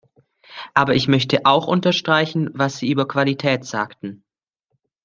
Aber ich möchte auch unterstreichen, was Sie über Qualität sagten.